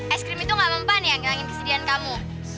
es krim itu enggak mempunyai yang ngilangin kesedihan kamu